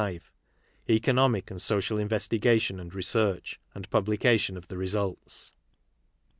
(v.) Economic and social investigation and research, and publication of the results.